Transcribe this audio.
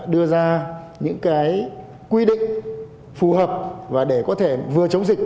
đưa ra những cái quy định phù hợp và để có thể vừa chống dịch